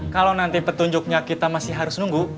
kalau nanti petunjuknya kita masih harus nunggu